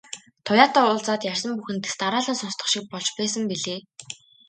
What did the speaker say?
Туяатай уулзаад ярьсан бүхэн дэс дараалан сонстох шиг болж байсан билээ.